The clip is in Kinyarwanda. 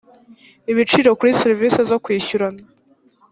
ibiciro kuri serivisi zo kwishyurana